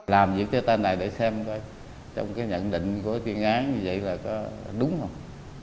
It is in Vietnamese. làm những cái tên này để xem trong cái nhận định của cái tuyên án như vậy là có đúng không